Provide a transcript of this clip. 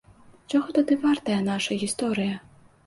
Чаго тады вартая наша гісторыя?